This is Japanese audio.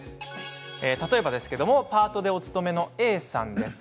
例えばですけれどもパートでお勤めのＡさんです。